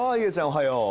おはよう。